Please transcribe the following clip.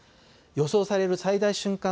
予想される最大瞬間